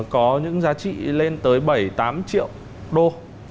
có những giá trị lên tới bảy mươi tám triệu đô